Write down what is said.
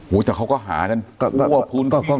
โหแต่เขาก็หากัน